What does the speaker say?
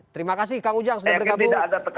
terima kasih kang ujang sudah bergabung